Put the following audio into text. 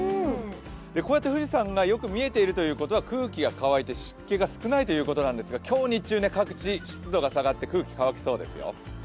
こうやって富士山がよく見えているということは空気が乾いて湿気が少ないということなんですが、今日日中は各地、湿度が下がって空気、乾きそうですよ。